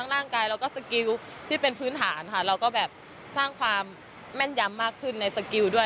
เราก็สร้างความแม่นย้ำมากขึ้นในสกิวด้วย